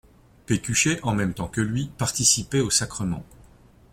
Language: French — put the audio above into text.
Pécuchet, en même temps que lui, participerait au sacrement.